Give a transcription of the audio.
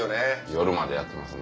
夜までやってます。